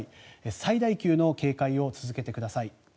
最大級の警戒を続けてください。